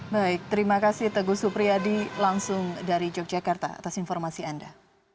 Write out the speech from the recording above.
baik terima kasih teguh supriyadi langsung dari yogyakarta atas informasi anda